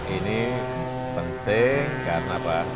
ini penting karena apa